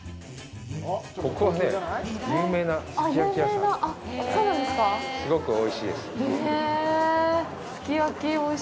ここはね、有名なすき焼き屋さん。